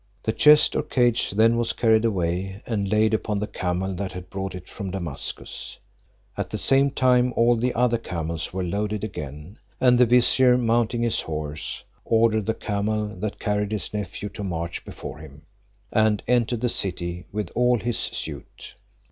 The chest or cage then was carried away and laid upon the camel that had brought it from Damascus: at the same time all the other camels were loaded again; and the vizier mounting his horse, ordered the camel that carried his nephew to march before him, and entered the city with all his suit.